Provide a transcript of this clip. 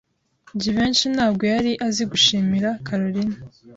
Jivency ntabwo yari azi gushimira Kalorina.